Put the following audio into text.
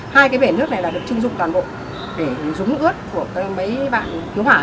hai cái bể nước này là được chứng dụng toàn bộ để dùng nước ướt của mấy bạn thiếu hỏa đấy